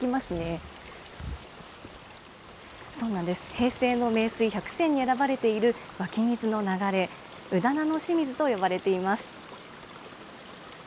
平成の名水百選に選ばれている湧き水の流れ、宇棚の清水と呼ばれています。